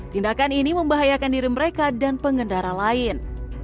tindakan ini membahayakan diri mereka dan pengendara lain